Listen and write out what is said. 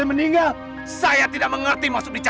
kamu tidak boleh bicara seperti itu